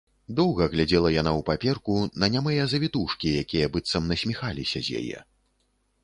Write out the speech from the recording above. Доўга глядзела яна ў паперку, на нямыя завітушкі, якія быццам насміхаліся з яе.